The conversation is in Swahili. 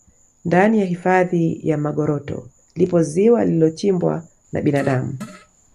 ndani ya hifadhi ya magoroto lipo ziwa lililochimbwa na binadamu